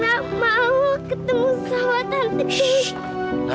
lara mau ketemu sama tante dewi